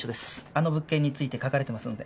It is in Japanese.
あの物件について書かれてますので。